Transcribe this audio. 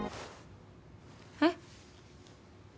えっ？